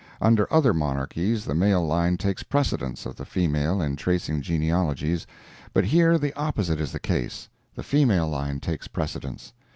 Under other monarchies the male line takes precedence of the female in tracing genealogies, but here the opposite is the case—the female line takes precedence.